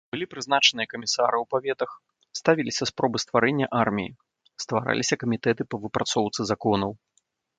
Былі прызначаныя камісары ў паветах, ставіліся спробы стварэння арміі, ствараліся камітэты па выпрацоўцы законаў.